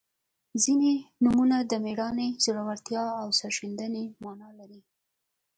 • ځینې نومونه د میړانې، زړورتیا او سرښندنې معنا لري.